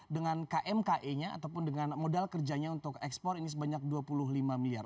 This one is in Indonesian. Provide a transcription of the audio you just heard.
dengan kmke nya ataupun dengan modal kerjanya untuk ekspor ini sebanyak dua puluh lima miliar